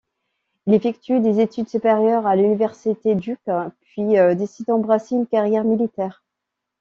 Il effectue des études supérieures à l'université Duke puis décide d'embrasser une carrière militaire.